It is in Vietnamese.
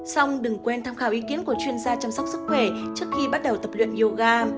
xong đừng quên tham khảo ý kiến của chuyên gia chăm sóc sức khỏe trước khi bắt đầu tập luyện yoga